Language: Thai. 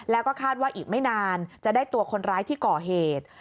แล้วก็คาดว่าอีกไม่นานจะได้ตัวคนร้ายที่ก่อเหตุ